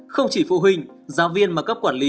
không chỉ phụ huynh giáo viên mà cấp quản lý